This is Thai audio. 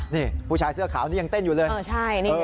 นี่ผู้ชายเสื้อขาวนี่ยังเต้นอยู่เลย